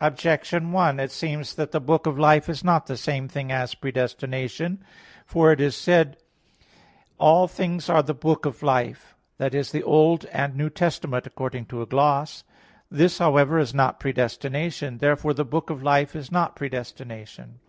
Objection 1: It seems that the book of life is not the same thing as predestination. For it is said, "All things are the book of life" (Ecclus. 4:32) i.e. the Old and New Testament according to a gloss. This, however, is not predestination. Therefore the book of life is not predestination.